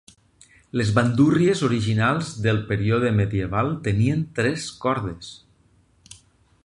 Les bandúrries originals del període medieval tenien tres cordes.